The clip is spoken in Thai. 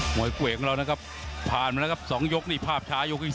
วยคู่เอกของเรานะครับผ่านมาแล้วครับ๒ยกนี่ภาพช้ายกที่๒